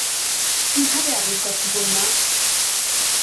কিভাবে এমন কথা বললাম?